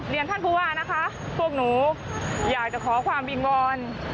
ท่านผู้ว่านะคะพวกหนูอยากจะขอความวิงวอน